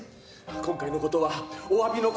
今回のことはおわびの言葉も。